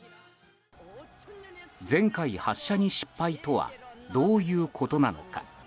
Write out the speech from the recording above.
前回発射に失敗とはどういうことなのか。